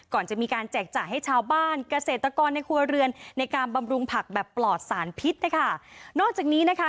ก่อนจะมีการแจกจ่ายให้ชาวบ้านเกษตรกรในครัวเรือนในการบำรุงผักแบบปลอดสารพิษนะคะนอกจากนี้นะคะ